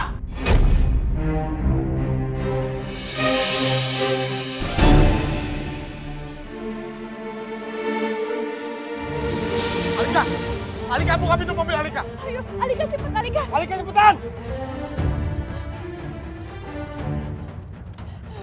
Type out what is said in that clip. kamu tidak butuh papa